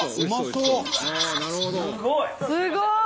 すごい！